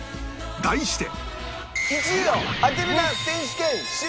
題して